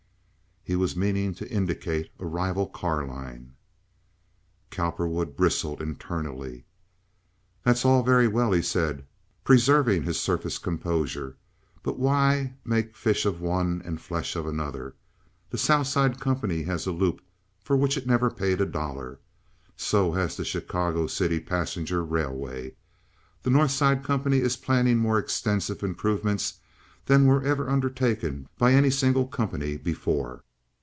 He was meaning to indicate a rival car line. Cowperwood bristled internally. "That's all very well," he said, preserving his surface composure, "but why make fish of one and flesh of another? The South Side company has a loop for which it never paid a dollar. So has the Chicago City Passenger Railway. The North Side company is planning more extensive improvements than were ever undertaken by any single company before.